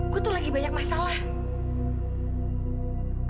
gue tuh lagi banyak masalah